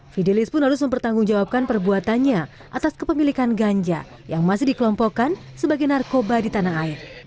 fidelis pun harus mempertanggungjawabkan perbuatannya atas kepemilikan ganja yang masih dikelompokkan sebagai narkoba di tanah air